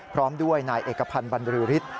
พร้อมด้วยนายเอกพันธ์บรรลือฤทธิ์